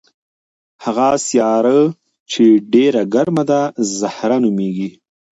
هغه سیاره چې ډېره ګرمه ده زهره نومیږي.